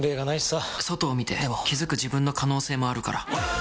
外を見て気づく自分の可能性もあるから。